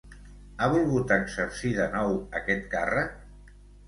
Ha volgut exercir de nou aquest càrrec?